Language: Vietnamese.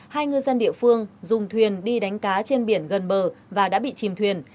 hai ngư dân địa phương dùng thuyền đi đánh cá trên biển gần bờ và đã bị chìm thuyền